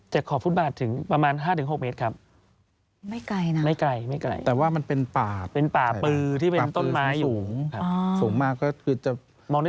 ขอบฟุตบาทถึงประมาณ๕๖เมตรครับ